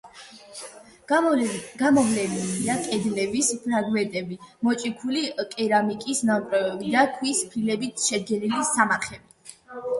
გამოვლენილია კედლების ფრაგმენტები, მოჭიქული კერამიკის ნამტვრევები და ქვის ფილებით შედგენილი სამარხები.